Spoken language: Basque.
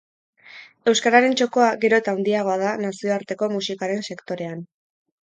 Euskararen txokoa gero eta handiagoa da nazioarteko musikaren sektorean.